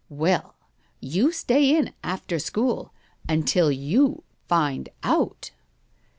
"Well, you stay in after school until you find out."